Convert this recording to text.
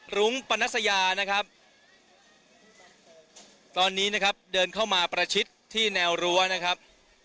รุ้งปนัสยานะครับตอนนี้นะครับเดินเข้ามาประชิดที่แนวรั้วนะครับ